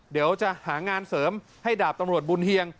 เดี๋ยวจะหางานเสริมให้ดาบตำรวจบุญเฮียง